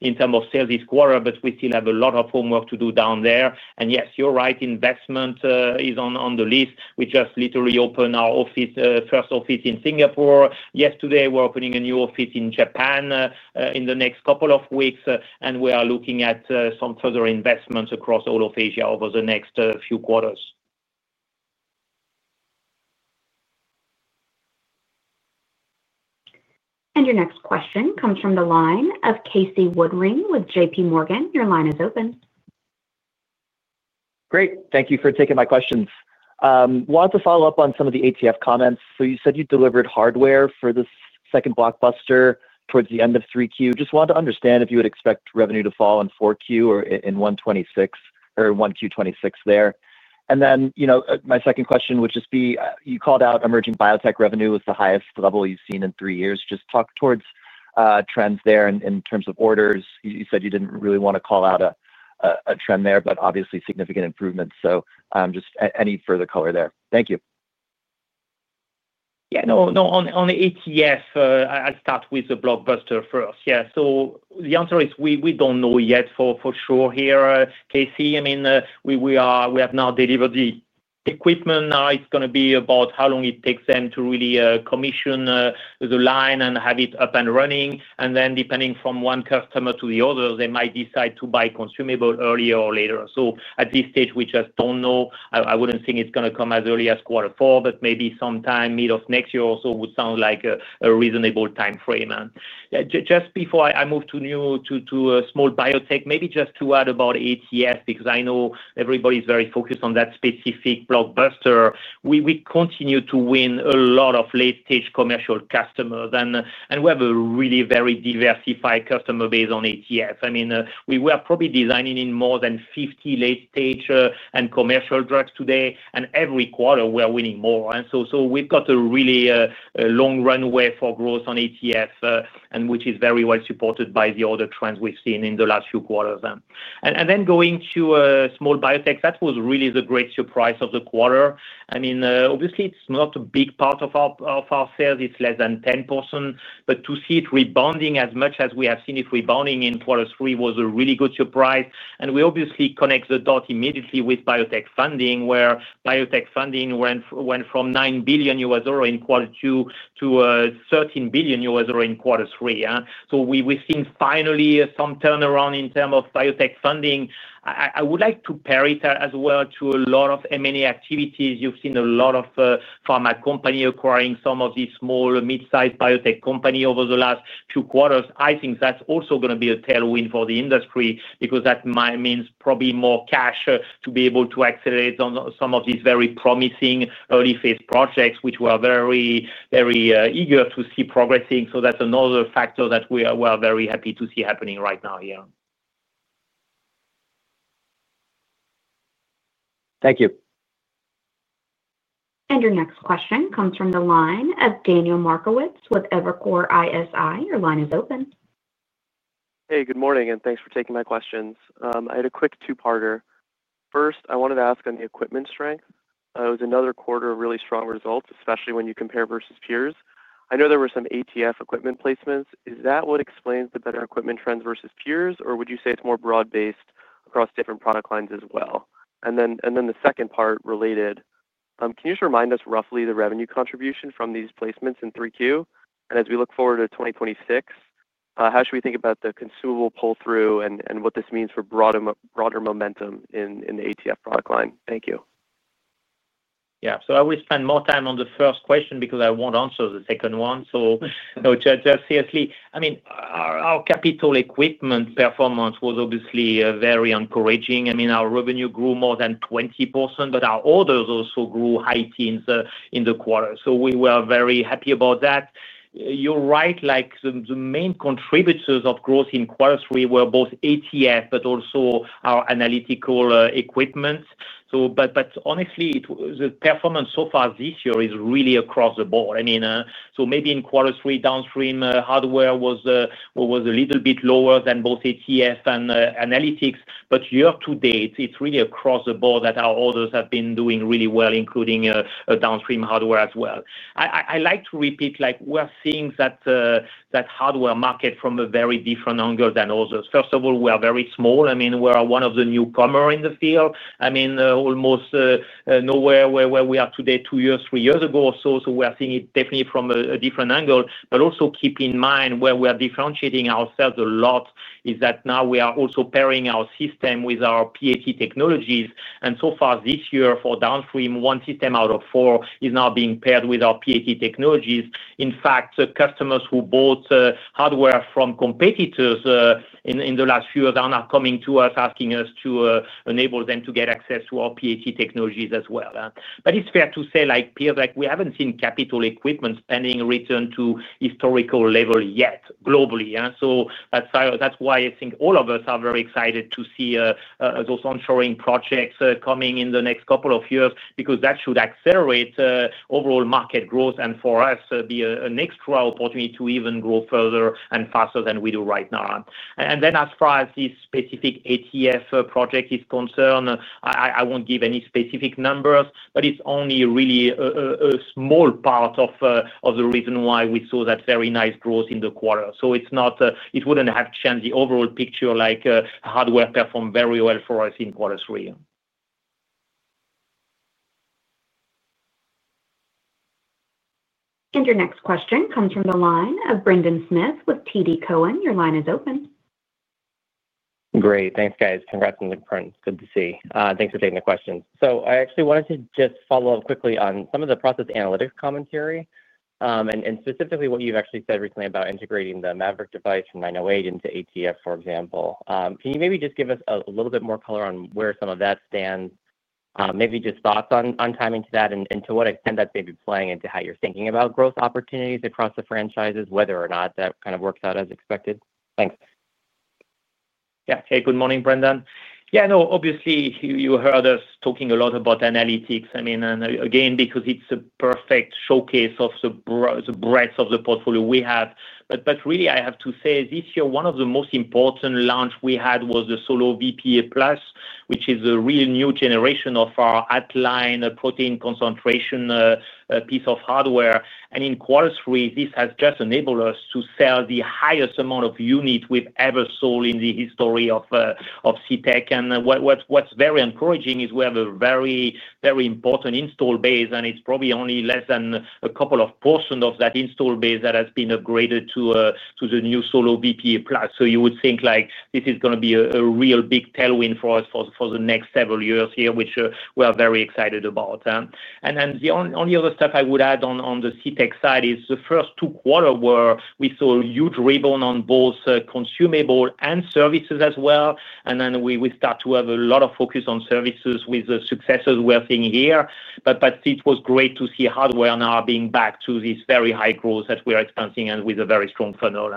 in terms of sales this quarter. We still have a lot of homework to do down there, and yes, you're right, investment is on the list. We just literally opened our first office in Singapore yesterday. We're opening a new office in Japan in the next couple of weeks, and we are looking at some further investments across all of Asia over the next few quarters. Your next question comes from the line of Casey Woodring with J.P. Morgan. Your line is open. Great, thank you for taking my questions. Wanted to follow up on some of the ATF comments. You said you delivered hardware for this second blockbuster towards the end of 3Q. I just wanted to understand if you would expect revenue to fall in 4Q or in 1Q 26 there, and then my second question would just be, you called out emerging biotech revenue was the highest level you've seen in three years. Just talk towards trends there in terms of orders. You said you didn't really want to call out a trend there, but obviously significant improvements. Just any further color there? Thank you. Yeah, no, on ATF I start with the blockbuster first. Yeah. The answer is we don't know yet for sure here, Casey. I mean we have now delivered the equipment. It's going to be about how long it takes them to really commission the line and have it up and running. Then depending from one customer to the other, they might decide to buy consumable earlier or later. At this stage we just don't know. I wouldn't think it's going to come as early as quarter four, but maybe sometime mid of next year or so would sound like a reasonable time frame. Just before I move to new to small biotech, maybe just to add about ATF because I know everybody's very focused on that specific blockbuster. We continue to win a lot of late stage commercial customers and we have a really very diversified customer base on ATF. I mean we were probably designing in more than 50 late stage and commercial drugs today and every quarter we are winning more. We've got a really long runway for growth on ATF, which is very well supported by the other trends we've seen in the last few quarters. Going to small biotech, that was really the great surprise of the quarter. Obviously it's not a big part of our sales, it's less than 10%. To see it rebounding as much as we have seen it rebounding in quarter three was a really good surprise. We obviously connect the dots immediately with biotech funding where biotech funding went from 9 billion euro in quarter two to 13 billion euro in quarter three. We've seen finally some turnaround in terms of biotech funding. I would like to parry as well to a lot of M&A activities. You've seen a lot of pharma company acquiring some of these small mid sized biotech companies over the last few quarters. I think that's also going to be a tailwind for the industry because that might mean probably more cash to be able to accelerate on some of these very promising early phase projects which we are very, very eager to see progressing. That's another factor that we are very happy to see happening right now here. Thank you. Your next question comes from the line of Daniel Markowitz with Evercore ISI. Your line is open. Hey, good morning and thanks for taking my questions. I had a quick two-parter. First, I wanted to ask on the equipment strength. It was another quarter of really strong results, especially when you compare versus peers. I know there were some ATF equipment placements. Is that what explains the better equipment trends versus peers, or would you say it's more broad based across different product lines as well? The second part related, can you just remind us roughly the revenue contribution from these placements in 3Q? As we look forward to 2026, how should we think about the consumable pull through and what this means for broader momentum in the ATF product line? Thank you. Yeah, I will spend more time on the first question because I won't answer the second one. Just seriously, I mean our capital equipment performance was obviously very encouraging. Our revenue grew more than 20% but our orders also grew high teens in the quarter. We were very happy about that. You're right, the main contributors of growth in quarter three were both ATF but also our analytical equipment. Honestly, the performance so far this year is really across the board. Maybe in quarter three downstream hardware was a little bit lower than both ATF and analytics, but year to date, it's really across the board that our orders have been doing really well, including downstream hardware as well. I like to repeat, we're seeing that hardware market from a very different angle than others. First of all, we are very small. We're one of the newcomers in the field. Almost nowhere where we are today, two years, three years ago or so. We are seeing it definitely from a different angle. Also, keep in mind where we are differentiating ourselves a lot is that now we are also pairing our system with our PAT technologies. So far this year for downstream, one system out of four is now being paired with our PAT technologies. Customers who bought hardware from competitors in the last few years are coming to us asking us to enable them to get access to our technologies as well. It's fair to say, we haven't seen capital equipment spending return to historical level yet globally. That's why I think all of us are very excited to see those onshoring projects coming in the next couple of years because that should accelerate overall market growth and for us be an extra opportunity to even grow further and faster than we do right now. As far as this specific ATF project is concerned, I won't give any specific numbers, but it's only really a small part of the reason why we saw that very nice growth in the quarter. It wouldn't have changed the overall picture. Hardware performed very well for us in quarter three for you. Your next question comes from the line of Brendan Smith with TD Cowen. Your line is open. Great. Thanks, guys. Congrats on the print. Good to see. Thanks for taking the questions. I wanted to just follow up quickly on some of the process analytics commentary and specifically what you've actually said recently about integrating the Maverick device from 908 Devices into ATF, for example. Can you maybe just give us a little bit more color on where some of that stands? Maybe just thoughts on timing to that and to what extent that may be. Playing into how you're thinking about growth opportunities across the franchises, whether or not that kind of works out as expected. Thanks. Yeah, good morning Brendan. Obviously you heard us talking a lot about analytics. I mean again, because it's a perfect showcase of the breadth of the portfolio we have. I have to say this year one of the most important launches we had was the SoloVPE PLUS, which is a real new generation of our online protein concentration piece of hardware. In Q3 this has just enabled us to sell the highest amount of units we've ever sold in the history of CTech. What's very encouraging is we have a very, very important install base and it's probably only less than a couple of portions of that install base that has been upgraded to the new SoloVPE PLUS. You would think this is going to be a real big tailwind for us for the next several years here, which we are very excited about. The only other stuff I would add on the CTech side is the first two quarters where we saw huge rebound on both consumables and services as well. We will start to have a lot of focus on services with the successes we're seeing here. It was great to see hardware now being back to these very high growth that we are experiencing and with a very strong funnel.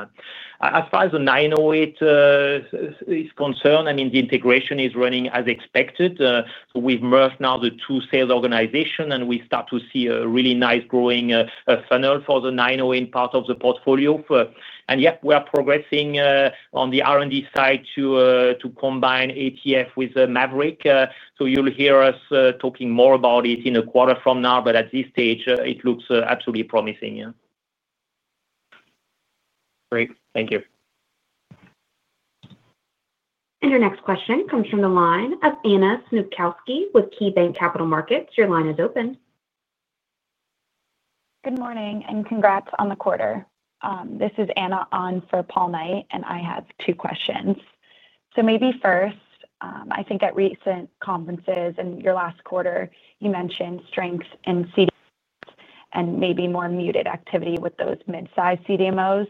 As far as 908 Devices is concerned, the integration is running as expected. We've merged now the two sales organizations and we start to see a really nice growing funnel for the 908 Devices part of the portfolio. We are progressing on the R&D side to combine ATF with Maverick. You'll hear us talking more about it in a quarter from now, but at this stage it looks absolutely promising. Great, thank you. Your next question comes from the line of Anna Snopkowski with KeyBanc Capital Markets. Your line is open. Good morning and congrats on the quarter. This is Anna on for Paul Knight and I have two questions. First, I think at recent conferences and your last quarter you mentioned strength in CDMO and maybe more muted activity with those mid-sized CDMOs.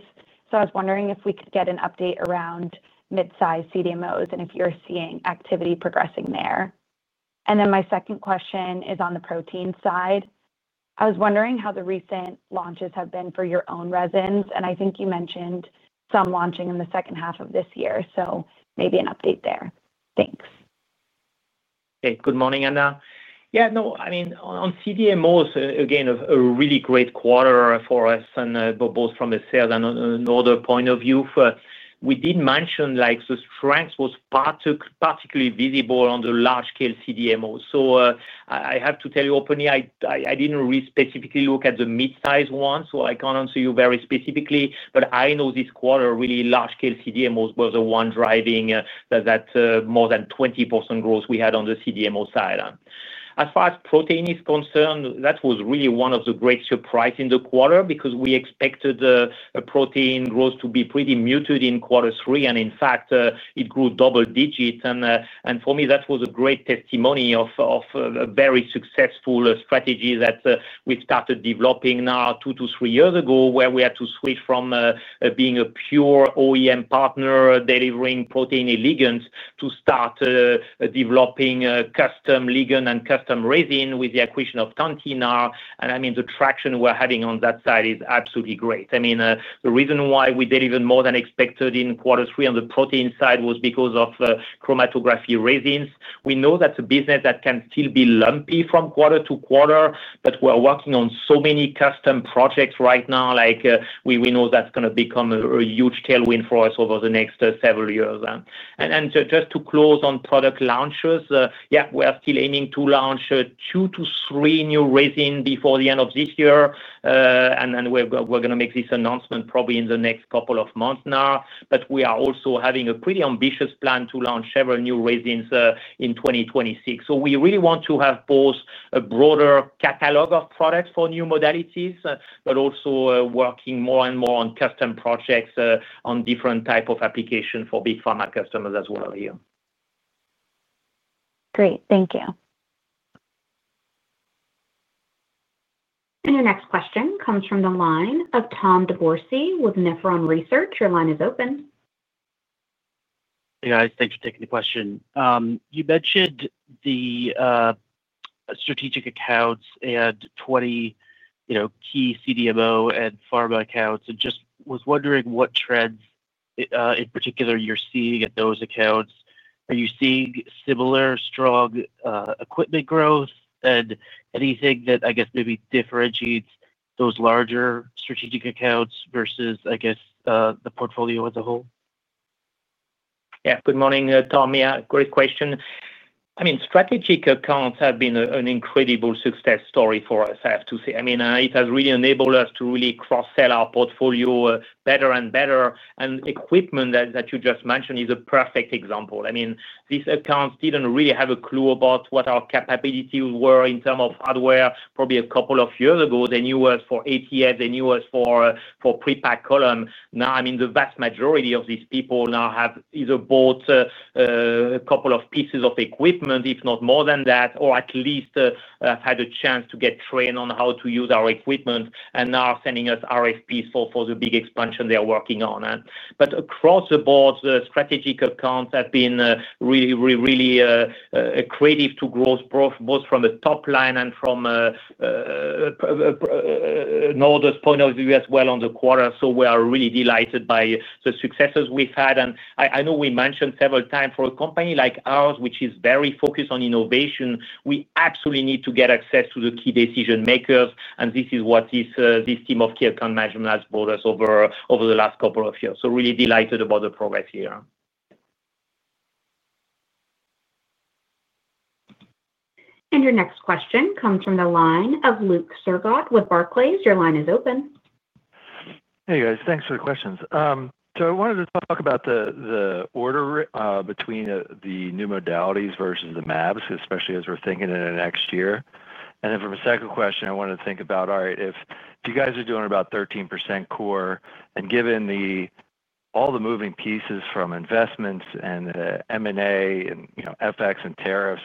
I was wondering if we could get an update around mid-sized CDMOs and if you're seeing activity progressing there. My second question is on the protein side. I was wondering how the recent launches have been for your own resins. I think you mentioned some launching in the second half of this year, so maybe an update there. Thanks. Good morning, Anna. Yeah, no, I mean on CDMOs again a really great quarter for us and both from a sales and order point of view. We did mention the strength was particularly visible on the large scale CDMO. I have to tell you openly, I didn't really specifically look at the mid sized one, so I can't answer you very specifically, but I know this quarter, really large scale CDMO was the one driving that more than 20% growth we had on the CDMO side as far as proteins are concerned. That was really one of the great surprises in the quarter because we expected protein growth to be pretty muted in quarter three and in fact it grew double digits. For me that was a great testimony of a very successful strategy that we started developing now two to three years ago where we had to switch from being a pure OEM partner delivering protein elegance, to start developing custom ligand and custom resin with the acquisition of Tantinar. The traction we're having on that side is absolutely great. The reason why we did even more than expected in quarter three on the protein side was because of chromatography resins. We know that the business can still be lumpy from quarter to quarter, but we're working on so many custom projects right now. We know that's going to become a huge tailwind for us over the next several years. Just to close on product launches, we are still aiming to launch two to three new resins before the end of this year and then we're going to make this announcement probably in the next couple of months now. We are also having a pretty ambitious plan to launch several new resins in 2026. We really want to have both a broader catalog of products for new modalities, but also working more and more on custom projects on different types of application for big pharma customers as well here. Great, thank you. Your next question comes from the line of Tom DeBourcy with Nephron Research. Your line is open. Hey guys, thanks for taking the question. You mentioned the Strategic Account Strategy and 20, you know, key CDMO and pharma accounts and just was wondering what trends in particular you're seeing at those accounts. Are you seeing similar strong equipment growth and anything that I guess maybe differentiates those larger strategic accounts versus, I guess, the portfolio as a whole. Yeah, good morning Tom, great question. Strategic accounts have been an incredible success story for us, I have to say. It has really enabled us to really cross sell our portfolio better and better. Equipment that you just mentioned is a perfect example. These accounts didn't really have a clue about what our capabilities were in terms of hardware. Probably a couple of years ago they knew us for ATF, they knew us for pre-packed column. Now the vast majority of these people now have either bought a couple of pieces of equipment, if not more than that, or at least had a chance to get trained on how to use our equipment and now sending us RFPs for the big expansion they are working on. Across the board the strategic accounts have been really accretive to growth both from the top line and from point of view as well on the quarter. We are really delighted by the successes we've had. I know we mentioned several times for a company like ours which is very focused on innovation, we absolutely need to get access to the key decision makers. This is what this team of care and management has brought us over the last couple of years. Really delighted about the progress here. Your next question comes from the line of Luke Sergott with Barclays. Your line is open. Hey guys, thanks for the questions. I wanted to talk about the order between the new modalities versus the mAbs, especially as we're thinking into next year. From a second question I wanted to think about, if you guys are doing about 13% core and given all the moving pieces from investments and M&A and FX and tariffs,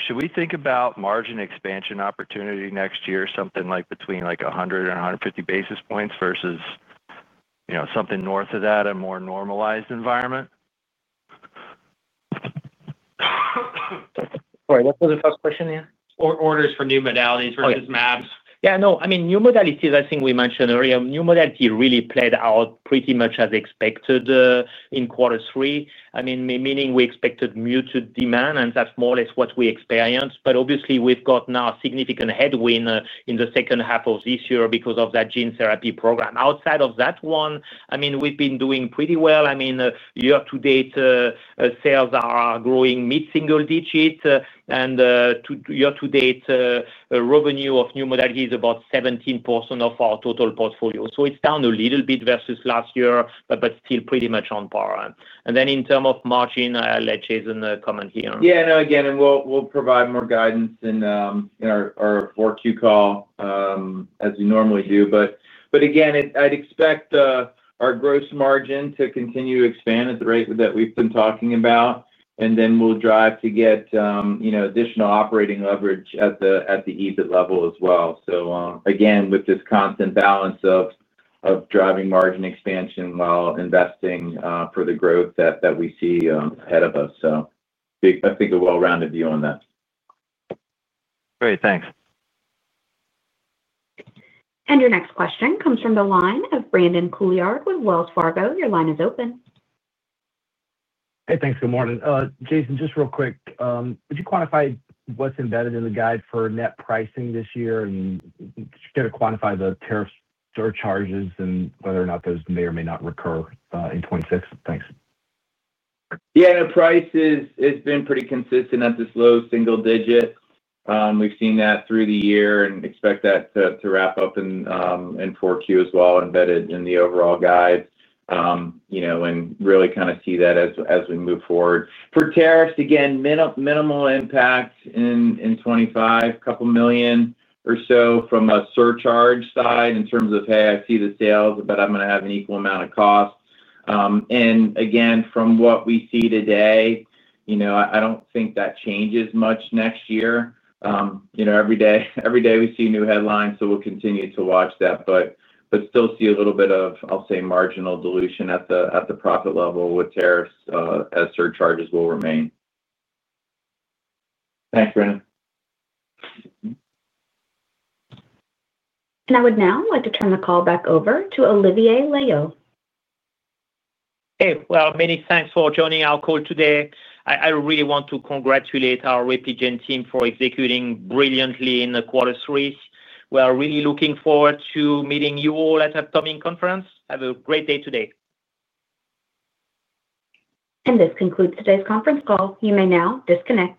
should we think about margin expansion opportunity next year, something like between 100 and 150 basis points versus something north of that, a more normalized environment. What was the first question? Orders for new modalities versus mAbs. Yeah, no, I mean new modalities, I think we mentioned earlier, new modality really played out pretty much as expected in quarter three, meaning we expected muted demand and that's more or less what we experienced. Obviously, we've got now significant headwind in the second half of this year because of that gene therapy program. Outside of that one, we've been doing pretty well. Year to date, sales are growing mid single digit and year to date revenue of new modality is about 17% of our total portfolio. It's down a little bit versus last year but still pretty much on par. In terms of margin, I'll let Jason comment here. Yeah, again, we'll provide more guidance in our 4Q call as we normally do. Again, I'd expect our gross margin to continue to expand at the rate that we've been talking about, and then we'll drive to get additional operating leverage at the EBIT level as well. Again, with this constant balance of driving margin expansion while investing for the growth that we see ahead of us, I think a well-rounded view on that. Great, thanks. Your next question comes from the line of Brandon Couillard with Wells Fargo. Your line is open. Hey, thanks. Good morning Jason, just real quick, would you quantify what's embedded in the guide for net pricing this year and to quantify the tariffs, surcharges and whether or not those may or may not recur in 2026? Thanks. Yeah, price is, it's been pretty consistent at this low single digit. We've seen that through the year and expect that to wrap up in 4Q as well. Embedded in the overall guide, you know, and really kind of see that as we move forward for tariffs. Again, minimal impact in 2025, couple million or so from a surcharge side in terms of hey, I see the sales but I'm going to have an equal amount of cost. From what we see today, you know, I don't think that changes much next year. Every day, every day we see new headlines. We'll continue to watch that, but still see a little bit of, I'll say marginal dilution at the profit level with tariff surcharges will remain. Thanks, Brandon. I would now like to turn the call back over to Olivier Loeillot. Hey, many thanks for joining our call today. I really want to congratulate our Repligen team for executing brilliantly in quarter three. We are really looking forward to meeting you all at Atomic Conference. Have a great day today. This concludes today's conference call. You may now disconnect.